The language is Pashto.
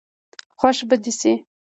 خوښ به دي شي.